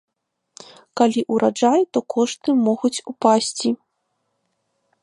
Калі ураджай, то кошты могуць упасці.